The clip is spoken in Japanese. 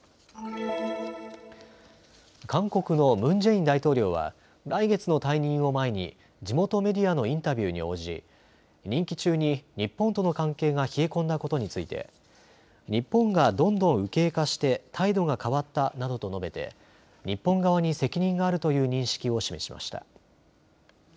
韓国のムン・ジェイン大統領は来月の退任を前に地元メディアのインタビューに応じ、任期中に日本との関係が冷え込んだことについて日本がどんどん右傾化して態度が変わったなどと述べて日本側に責任があるという認識を示しました。